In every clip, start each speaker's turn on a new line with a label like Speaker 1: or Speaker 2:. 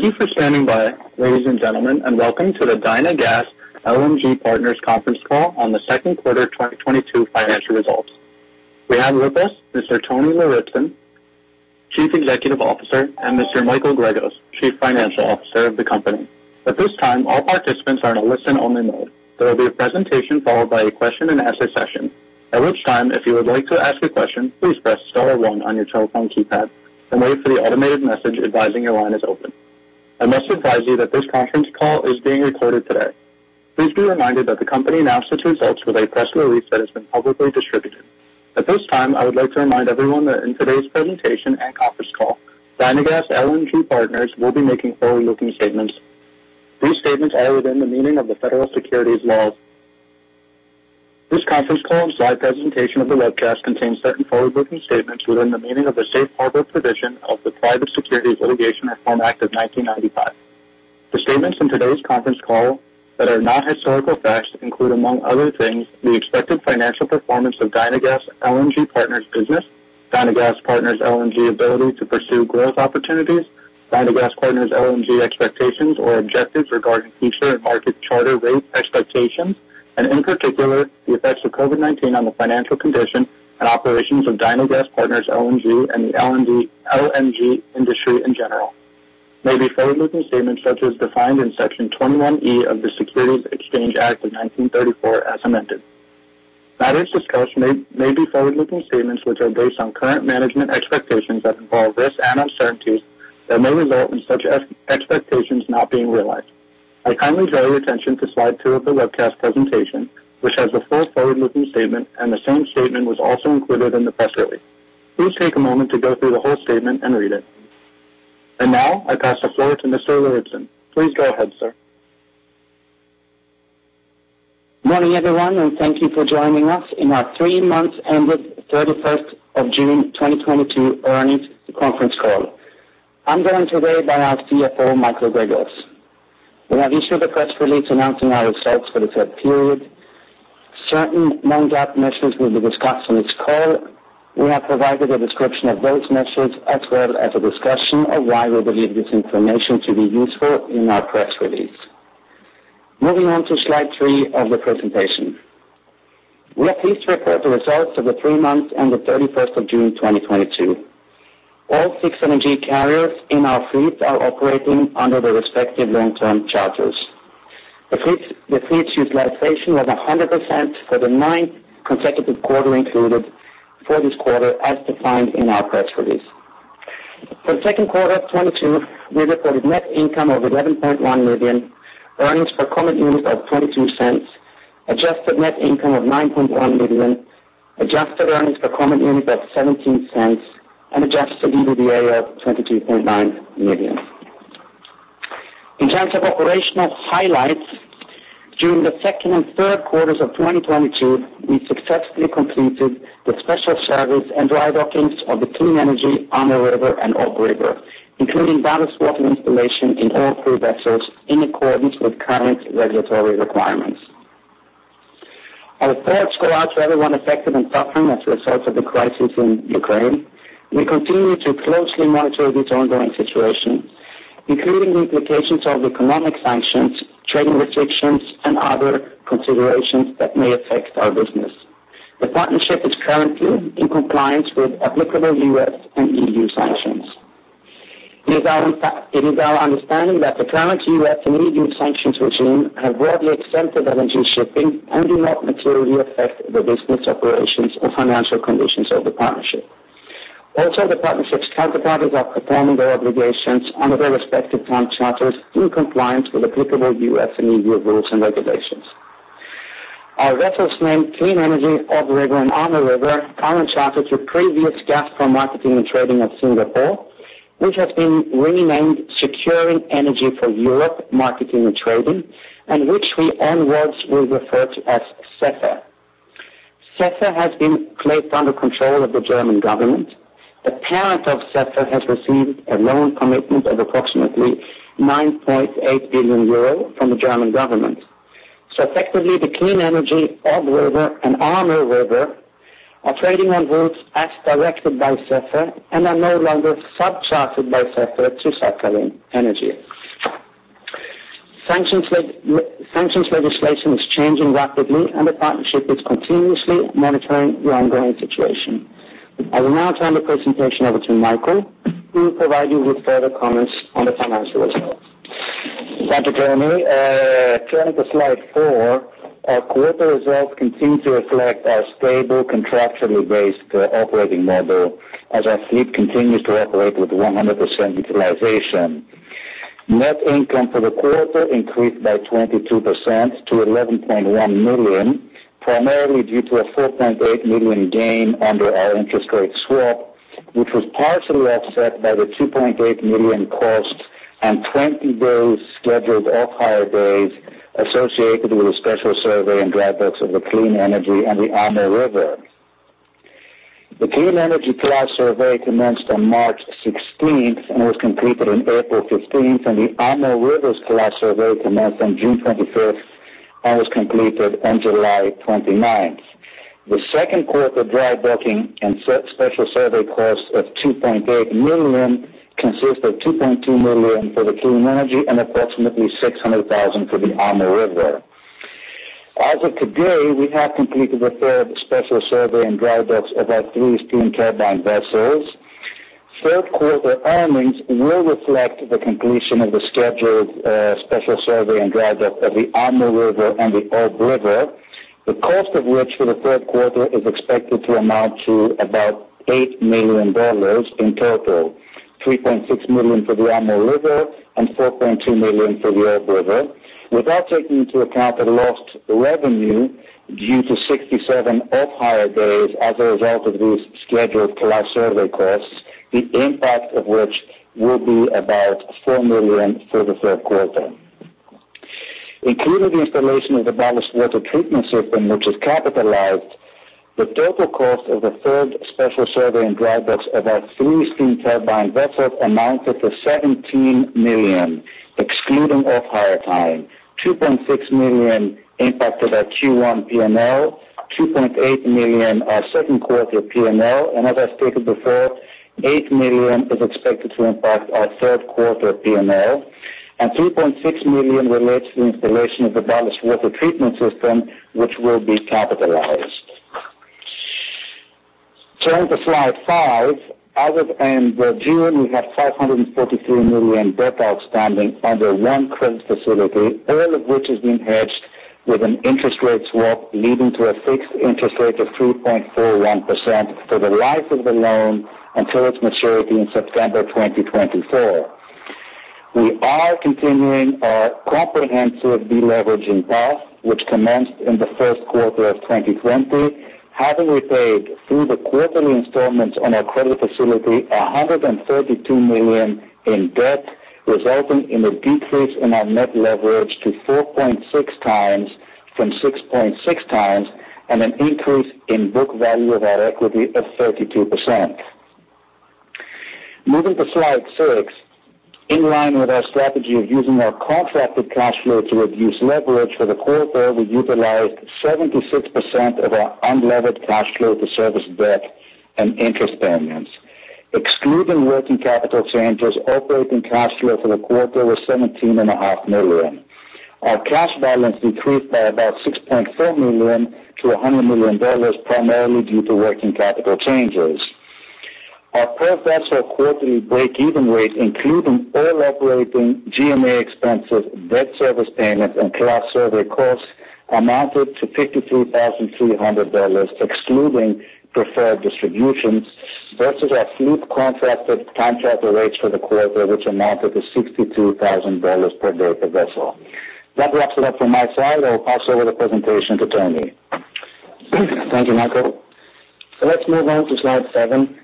Speaker 1: Thank you for standing by, ladies and gentlemen, and welcome to the Dynagas LNG Partners conference call on the Q2 2022 financial results. We have with us Mr. Tony Lauritzen, Chief Executive Officer, and Mr. Michael Gregos, Chief Financial Officer of the company. At this time, all participants are in a listen-only mode. There will be a presentation followed by a question-and-answer session. At which time, if you would like to ask a question, please press star one on your telephone keypad and wait for the automated message advising your line is open. I must advise you that this conference call is being recorded today. Please be reminded that the company announced its results with a press release that has been publicly distributed. At this time, I would like to remind everyone that in today's presentation and conference call, Dynagas LNG Partners will be making forward-looking statements. These statements are within the meaning of the federal securities laws. This conference call and slide presentation of the webcast contains certain forward-looking statements within the meaning of the safe harbor provision of the Private Securities Litigation Reform Act of 1995. The statements in today's conference call that are not historical facts include, among other things, the expected financial performance of Dynagas LNG Partners business, Dynagas LNG Partners ability to pursue growth opportunities, Dynagas LNG Partners expectations or objectives regarding future and market charter rate expectations, and in particular, the effects of COVID-19 on the financial condition and operations of Dynagas LNG Partners and the LNG industry in general, may be forward-looking statements such as defined in Section 21E of the Securities Exchange Act of 1934 as amended. Matters discussed may be forward-looking statements which are based on current management expectations that involve risks and uncertainties that may result in such expectations not being realized. I kindly draw your attention to slide two of the webcast presentation, which has a full forward-looking statement, and the same statement was also included in the press release. Please take a moment to go through the whole statement and read it. Now I pass the floor to Mr. Lauritzen. Please go ahead, sir.
Speaker 2: Morning, everyone, and thank you for joining us on our three months ended 31st of June 2022 earnings conference call. I'm joined today by our CFO, Michael Gregos. We have issued a press release announcing our results for the third period. Certain non-GAAP measures will be discussed on this call. We have provided a description of those measures as well as a discussion of why we believe this information to be useful in our press release. Moving on to slide three of the presentation. We are pleased to report the results of the three months ended 31st of June 2022. All six LNG carriers in our fleet are operating under their respective long-term charters. The fleet's utilization was 100% for the ninth consecutive quarter, including this quarter, as defined in our press release. For the Q2 of 2022, we reported net income of $11.1 million, earnings per common unit of $0.22, adjusted net income of $9.1 million, adjusted earnings per common unit of $0.17, and adjusted EBITDA of $22.9 million. In terms of operational highlights, during the second and Q3s of 2022, we successfully completed the special service and dry dockings of the Clean Energy, Amur River, and Ob River, including ballast water installation in all three vessels in accordance with current regulatory requirements. Our thoughts go out to everyone affected and suffering as a result of the crisis in Ukraine. We continue to closely monitor this ongoing situation, including the implications of economic sanctions, trading restrictions, and other considerations that may affect our business. The partnership is currently in compliance with applicable U.S. and EU sanctions. It is our understanding that the current U.S. and EU sanctions regime has broadly exempted LNG shipping and does not materially affect the business operations or financial conditions of the partnership. The partnership's counterparties are performing their obligations under their respective time charters in compliance with applicable US and EU rules and regulations. Our vessels named Clean Energy, Ob River, and Amur River, currently chartered to formerly Gazprom Marketing and Trading of Singapore, which has been renamed Securing Energy for Europe Marketing and Trading, and which we onward will refer to as SEFE. SEFE has been placed under the control of the German government. The parent of SEFE has received a loan commitment of approximately 9.8 billion euro from the German government. Effectively, the Clean Energy, Ob River, and Amur River are trading on routes as directed by SEFE and are no longer sub-chartered by SEFE to Sakhalin Energy. Sanctions legislation is changing rapidly and the partnership is continuously monitoring the ongoing situation. I will now turn the presentation over to Michael, who will provide you with further comments on the financial results.
Speaker 3: Thank you, Tony. Turning to slide four, our quarter results continue to reflect our stable, contractually based, operating model as our fleet continues to operate with 100% utilization. Net income for the quarter increased by 22% to $11.1 million, primarily due to a $4.8 million gain under our interest rate swap, which was partially offset by the $2.8 million cost and 20 days scheduled off-hire days associated with a special survey and dry docks of the Clean Energy and the Amur River. The Clean Energy class survey commenced on March 16 and was completed on April 15, and the Amur River's class survey commenced on June 25 and was completed on July 29. The Q2 dry docking and special survey costs of $2.8 million consists of $2.2 million for the Clean Energy and approximately $600,000 for the Amur River. As of today, we have completed the third special survey and dry docks of our three steam turbine vessels. Q3 earnings will reflect the completion of the scheduled special survey and dry dock of the Amur River and the Ob River, the cost of which for the Q3 is expected to amount to about $8 million in total. $3.6 million for the Amur River and $4.2 million for the Ob River. Without taking into account the lost revenue due to 67 off-hire days as a result of these scheduled class survey costs, the impact of which will be about $4 million for the Q3. Including the installation of the ballast water treatment system, which is capitalized, the total cost of the third special survey and dry docks of our three steam turbine vessels amounted to $17 million, excluding off-hire time. $2.6 million impacted our Q1 P&L, $2.8 million our Q2 P&L, and as I stated before, $8 million is expected to impact our Q3 P&L. $2.6 million relates to the installation of the ballast water treatment system, which will be capitalized. Turning to slide five. As of end of June, we had $543 million debt outstanding under one credit facility, all of which is being hedged with an interest rate swap, leading to a fixed interest rate of 3.41% for the life of the loan until its maturity in September 2024. We are continuing our comprehensive deleveraging path, which commenced in the Q1 of 2020, having repaid through the quarterly installments on our credit facility $132 million in debt, resulting in a decrease in our net leverage to 4.6x from 6.6x, and an increase in book value of our equity of 32%. Moving to slide six. In line with our strategy of using our contracted cash flow to reduce leverage for the quarter, we utilized 76% of our unlevered cash flow to service debt and interest payments. Excluding working capital changes, operating cash flow for the quarter was $17.5 million. Our cash balance decreased by about $6.4 million to $100 million, primarily due to working capital changes. Our per-vessel quarterly break-even rate, including all operating G&A expenses, debt service payments, and class survey costs amounted to $53,300, excluding preferred distributions, versus our fleet contracted time charter rates for the quarter, which amounted to $62,000 per day per vessel. That wraps it up from my side. I'll pass over the presentation to Tony.
Speaker 2: Thank you, Michael. Let's move on to slide seven.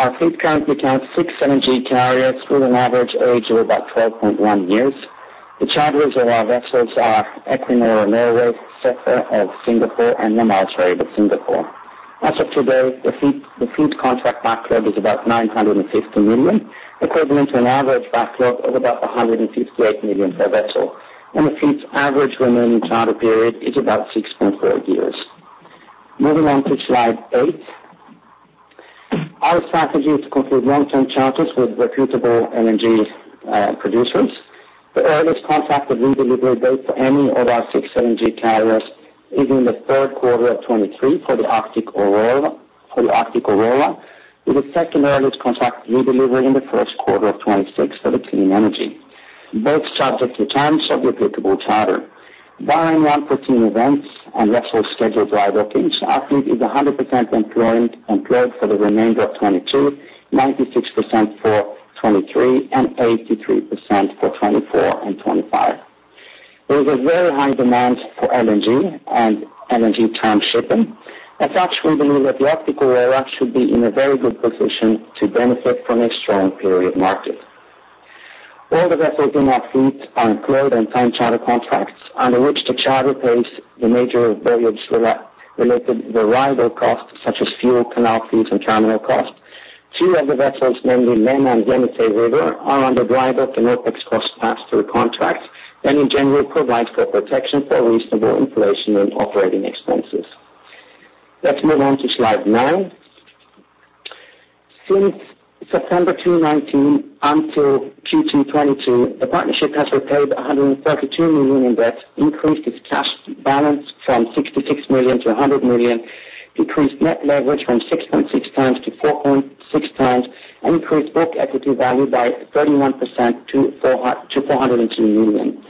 Speaker 2: Our fleet currently counts 6 LNG carriers with an average age of about 12.1 years. The charterers of our vessels are Equinor, SEFE of Singapore, and Yamal Trade of Singapore. As of today, the fleet contract backlog is about $950 million, equivalent to an average backlog of about $158 million per vessel. The fleet's average remaining charter period is about 6.4 years. Moving on to slide eight. Our strategy is to conclude long-term charters with reputable LNG producers. The earliest contracted redelivery date for any of our six LNG carriers is in the Q3 of 2023 for the Arctic Aurora, with the second-earliest contract redelivery in the Q1 of 2026 for the Clean Energy, both subject to terms of the applicable charter. Barring unforeseen events and vessel scheduled dry dockings, our fleet is 100% employed for the remainder of 2022, 96% for 2023, and 83% for 2024 and 2025. There is a very high demand for LNG and LNG time shipping. As such, we believe that the Arctic Aurora should be in a very good position to benefit from a strong period market. All the vessels in our fleet are employed on time charter contracts under which the charterer pays the major voyage-related variable costs such as fuel, canal fees, and terminal costs. Two of the vessels, namely Lena River and Yenisei River, are under drydock and OPEX costs passed through the contracts and in general provides good protection for reasonable inflation and operating expenses. Let's move on to slide nine. Since September 2019 until Q2 2022, the partnership has repaid $132 million in debt, increased its cash balance from $66 million to $100 million, decreased net leverage from 6.6x to 4.6x, and increased book equity value by 31% to $402 million.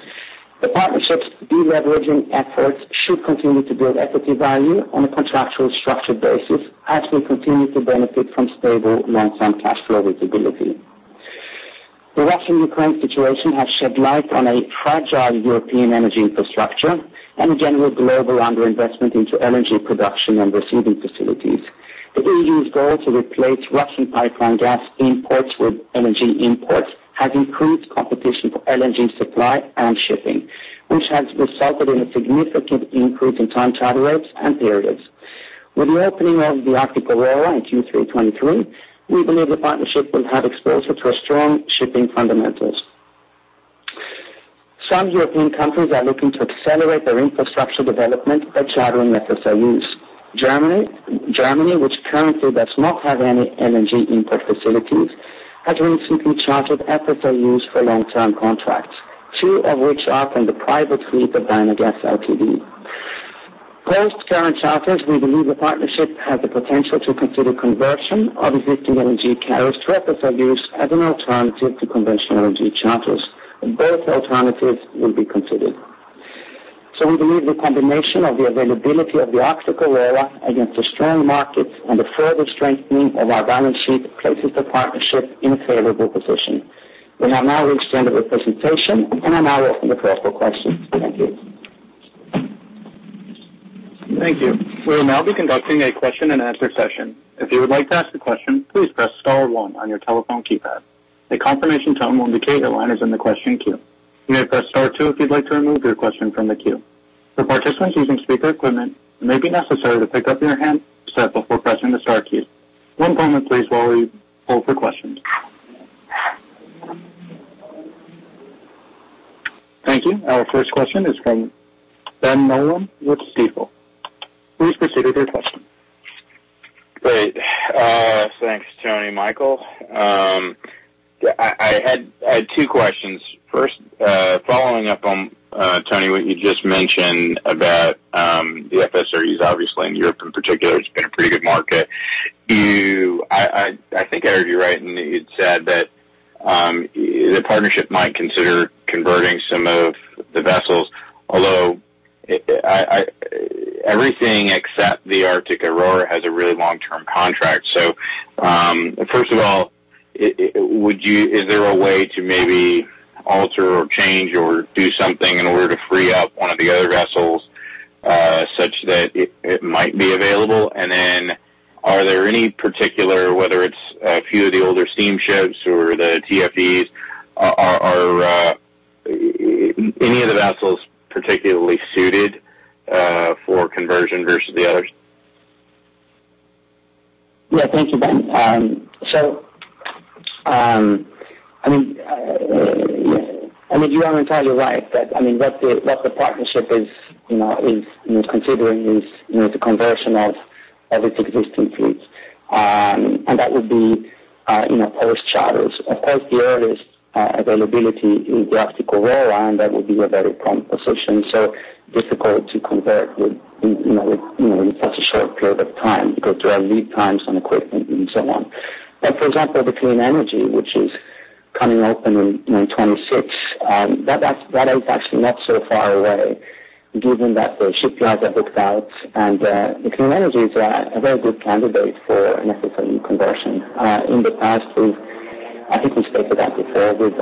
Speaker 3: The partnership's deleveraging efforts should continue to build equity value on a contractual structured basis as we continue to benefit from stable long-term cash flow visibility. The Russia and Ukraine situation has shed light on a fragile European energy infrastructure and a general global underinvestment into LNG production and receiving facilities. The EU's goal to replace Russian pipeline gas imports with LNG imports has increased competition for LNG supply and shipping, which has resulted in a significant increase in time charter rates and periods. With the opening of the Arctic Aurora in Q3 2023, we believe the partnership will have exposure to strong shipping fundamentals. Some European companies are looking to accelerate their infrastructure development by chartering FSRUs. Germany, which currently does not have any LNG import facilities, has recently chartered FSRUs for long-term contracts, two of which are from the private fleet of Dynagas Ltd.
Speaker 2: Post current charters, we believe the partnership has the potential to consider conversion of existing LNG carriers to FSRUs as an alternative to conventional LNG charters, and both alternatives will be considered. We believe the combination of the availability of the Arctic Aurora against the strong markets and the further strengthening of our balance sheet places the partnership in a favorable position. We have now reached the end of the presentation, and I now open the floor for questions. Thank you.
Speaker 1: Thank you. We will now be conducting a question-and-answer session. If you would like to ask a question, please press star one on your telephone keypad. A confirmation tone will indicate your line is in the question queue. You may press star two if you'd like to remove your question from the queue. For participants using speaker equipment, it may be necessary to pick up your handset before pressing the star key. One moment, please, while we hold for questions. Thank you. Our first question is from Please proceed with your question.
Speaker 4: Great. Thanks, Tony and Michael. I had two questions. First, following up on, Tony, what you just mentioned about the FSRUs. Obviously in Europe in particular, it's been a pretty good market. I think I heard you right when you said that the partnership might consider converting some of the vessels, although everything except the Arctic Aurora has a really long-term contract. First of all, is there a way to maybe alter or change or do something in order to free up one of the other vessels such that it might be available? And then are there any particular, whether it's a few of the older steamships or the TFDEs, any of the vessels particularly suited for conversion versus the others?
Speaker 2: Yeah. Thank you, Ben. I mean, you are entirely right that, I mean, what the partnership is, you know, considering is, you know, the conversion of its existing fleets. That would be post charters. Of course, the earliest availability is the Arctic Aurora, and that would be a very complex solution, so difficult to convert with you know in such a short period of time because there are lead times on equipment and so on. For example, the Clean Energy, which is coming open in 2026, that is actually not so far away given that the shipyards are booked out. The Clean Energy is a very good candidate for an FSRU conversion. In the past, I think we've spoken about before with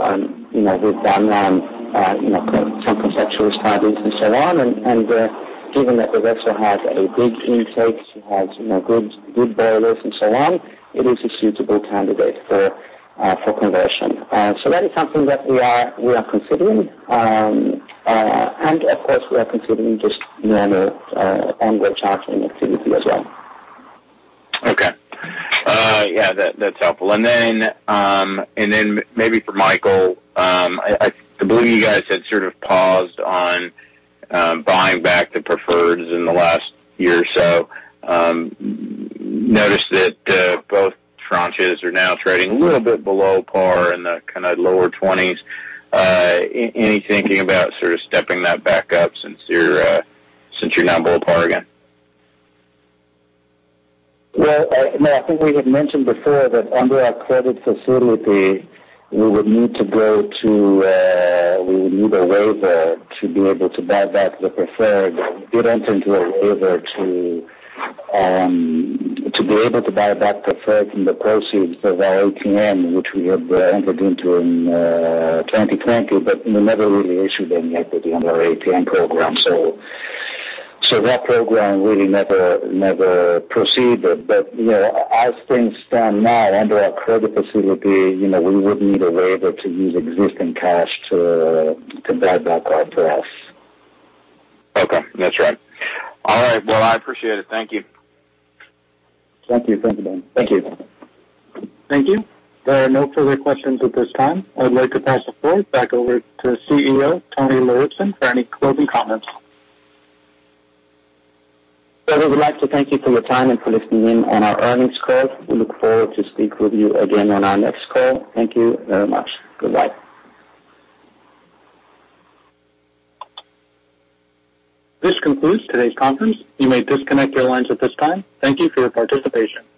Speaker 2: you know with DNV GL you know some conceptual studies and so on. Given that the vessel has a good intake, it has you know good boilers and so on, it is a suitable candidate for conversion. That is something that we are considering. Of course, we are considering just normal ongoing chartering activity as well.
Speaker 4: Okay. Yeah, that's helpful. Then maybe for Michael, I believe you guys had sort of paused on buying back the preferreds in the last year or so. Noticed that both tranches are now trading a little bit below par in the kind of lower twenties. Any thinking about sort of stepping that back up since you're not below par again?
Speaker 3: Well, no, I think we had mentioned before that under our credit facility, we would need a waiver to be able to buy back the preferred. We did enter into a waiver to be able to buy back preferred from the proceeds of our ATM, which we have entered into in 2020, but we never really issued any equity under our ATM program. That program really never proceeded. You know, as things stand now, under our credit facility, you know, we would need a waiver to use existing cash to buy back our preferreds.
Speaker 4: Okay. That's right. All right. Well, I appreciate it. Thank you.
Speaker 2: Thank you. Thank you, Ben.
Speaker 1: Thank you. Thank you. There are no further questions at this time. I'd like to pass the floor back over to CEO Tony Lauritzen for any closing comments.
Speaker 2: Well, we would like to thank you for your time and for listening in on our earnings call. We look forward to speak with you again on our next call. Thank you very much. Goodbye.
Speaker 1: This concludes today's conference. You may disconnect your lines at this time. Thank you for your participation.